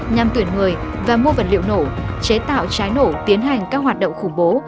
nhằm tuyển người và mua vật liệu nổ chế tạo trái nổ tiến hành các hoạt động khủng bố